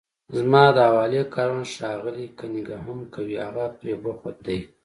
زما د حوالې کارونه ښاغلی کننګهم کوي، هغه پرې بوخت دی.